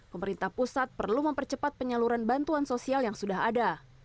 pemerintah pusat perlu mempercepat penyaluran bantuan sosial yang sudah ada